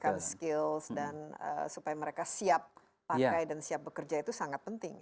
memberikan skills dan supaya mereka siap pakai dan siap bekerja itu sangat penting ya